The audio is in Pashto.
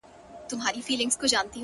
ما يې توبه د کور ومخته په کوڅه کي وکړه،